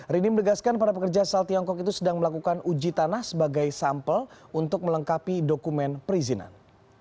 rini menegaskan para pekerja asal tiongkok itu sedang melakukan uji tanah sebagai sampel untuk melengkapi dokumen perizinan